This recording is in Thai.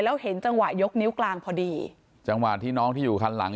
แล้วเห็นจังหวะยกนิ้วกลางพอดีจังหวะที่น้องที่อยู่คันหลัง